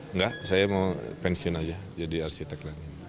enggak saya mau pensiun saja jadi arsitek